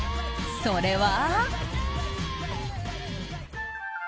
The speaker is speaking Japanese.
それは。